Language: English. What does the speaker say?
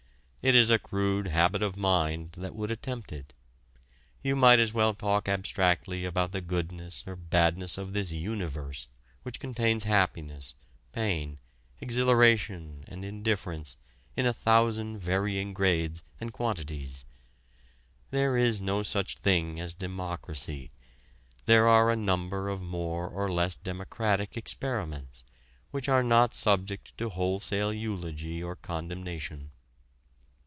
It is a crude habit of mind that would attempt it. You might as well talk abstractly about the goodness or badness of this universe which contains happiness, pain, exhilaration and indifference in a thousand varying grades and quantities. There is no such thing as Democracy; there are a number of more or less democratic experiments which are not subject to wholesale eulogy or condemnation.